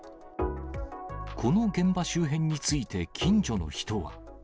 この現場周辺について近所の人は。